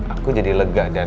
aku jadi lega dan